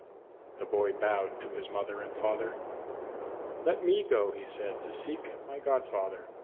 The boy bowed to his father and mother. "Let me go," he said, "to seek my godfather.